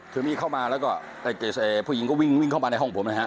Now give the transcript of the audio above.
คือมีดเข้ามาแล้วก็ผู้หญิงก็วิ่งเข้ามาในห้องผมนะฮะ